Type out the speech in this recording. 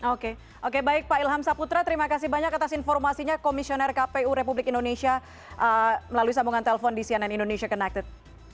oke oke baik pak ilham saputra terima kasih banyak atas informasinya komisioner kpu republik indonesia melalui sambungan telepon di cnn indonesia connected